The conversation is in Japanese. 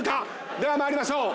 では参りましょう。